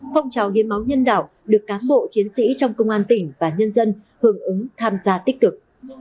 phong trào hiến máu nhân đạo được cám bộ chiến sĩ trong công an tỉnh và nhân dân hưởng ứng tham gia tích cực